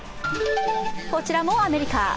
こちらもアメリカ。